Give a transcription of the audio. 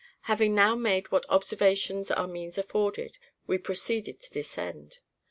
Having now made what observations our means afforded, we proceeded to descend.